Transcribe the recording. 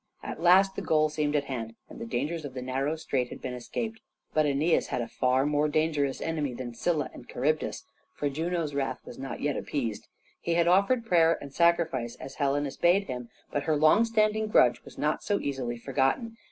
At last the goal seemed at hand and the dangers of the narrow strait had been escaped. But Æneas had a far more dangerous enemy than Scylla and Charybdis, for Juno's wrath was not yet appeased. He had offered prayer and sacrifice, as Helenus bade him, but her long standing grudge was not so easily forgotten.